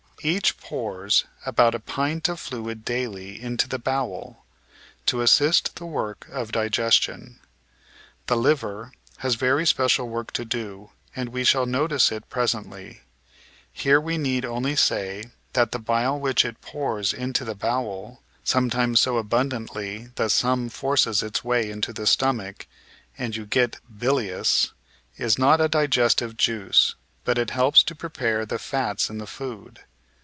Each pours about a pint of fluid daily into the bowel, to assist the work of digestion. The liver has very special work to do, and we. shall notice it presently. Here we need only say that the bile which it pours into the bowel — sometimes so abundantly that some forces its way into the stomach, and you get "bilious" — is not a digestive juice, but it helps to prepare the fats in the food.